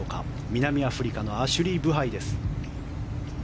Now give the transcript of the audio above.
南アフリカのアシュリー・ブハイです。